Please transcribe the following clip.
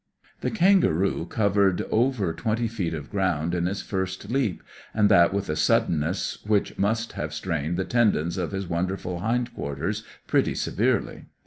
The kangaroo covered over twenty feet of ground in his first leap, and that with a suddenness which must have strained the tendons of his wonderful hind quarters pretty severely.